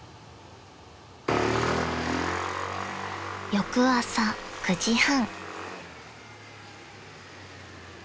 ［翌朝９時半］